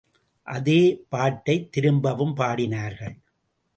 அதே பாட்டைத் திரும்பவும் பாடினார்கள்.